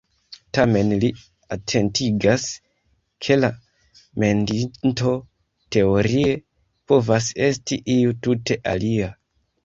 Tamen li atentigas, ke la mendinto teorie povas esti iu tute alia.